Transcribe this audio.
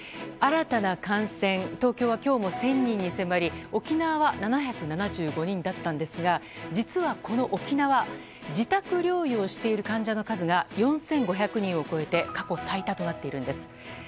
新たな感染東京は今日も１０００人に迫り沖縄は７７５人だったんですが実は、この沖縄自宅療養している患者の数が４５００人を超えて過去最多となっているんです。